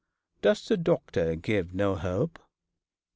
'Does the doctor give no hope?'